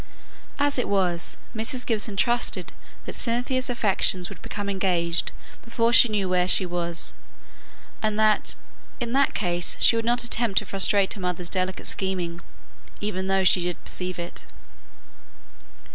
As it was, Mrs. Gibson trusted that Cynthia's affections would become engaged before she knew where she was, and that in that case she would not attempt to frustrate her mother's delicate scheming, even though she did perceive it.